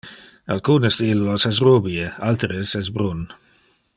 Alcunes de illos es rubie; alteres es brun.